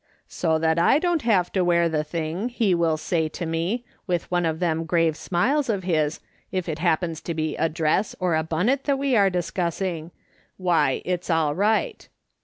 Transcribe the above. ' So that I don't have to wear the thing,' he will say to me, with one of them grave smiles of his, if it happens to be a dress or a bunnit tliat we are discussing, ' why, it's all riglit.'